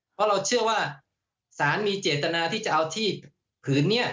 เพราะเราเชื่อว่าสารมีเจตนาที่จะเอาที่ผืนนี้